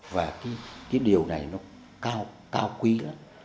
và cái điều này nó cao cao quý lắm